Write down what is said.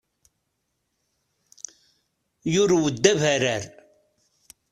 Yurew-d abarrar.